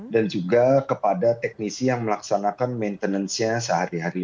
dan juga kepada teknisi yang melaksanakan maintenance nya sehari hari